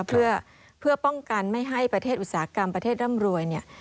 เพื่อป้องกันไม่ให้ประเทศอุตสาหกรรมประเทศร่ำรวยเนี่ย